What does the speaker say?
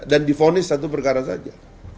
dan difonis satu perkara saja